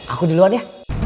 aku di luar ya